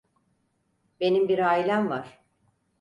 Benim bir ailem var.